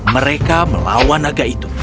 mereka melawan naga itu